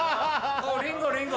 リンゴリンゴ！